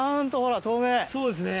そうですね！